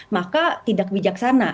maka tidak bijaksana